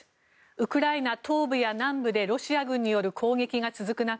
ウクライナ東部や南部でロシア軍による攻撃が続く中